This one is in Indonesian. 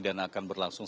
dan akan berlangsung